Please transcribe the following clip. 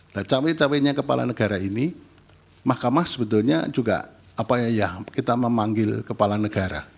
nah cawe cawenya kepala negara ini mahkamah sebetulnya juga apa ya kita memanggil kepala negara